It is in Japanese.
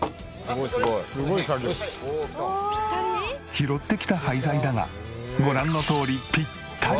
拾ってきた廃材だがご覧のとおりピッタリ！